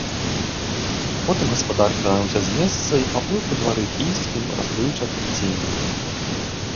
Потым гаспадар крануўся з месца і паплыў па двары хісткім расплыўчатым ценем.